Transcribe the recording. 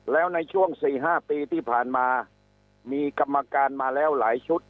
แล้วในช่วง๔๕ปีที่ผ่านมามีกรรมการมาแล้วหลายชุด